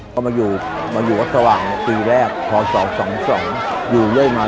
ก็มาอยู่มาอยู่วัดสว่างปีแรกพศ๒๒อยู่เรื่อยมา